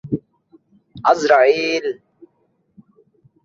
লেখা শেষ হলে পিএলসি পিসির সাথে কানেকশন করে প্রোগ্রাম ডাউনলোড করতে হবে।